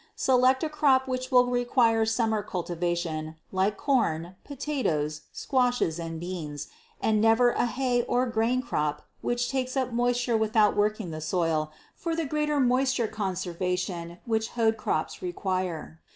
Select a crop which will require summer cultivation, like corn, potatoes, squashes, and beans, and never a hay or grain crop which takes up moisture without working the soil for the greater moisture conversation which hoed crops require.